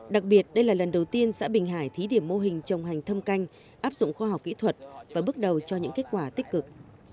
đặc biệt đây là lần đầu tiên xã bình hải thí điểm mô hình trồng hành thâm canh áp dụng khoa học kỹ thuật và bước đầu cho những kết quả tích cực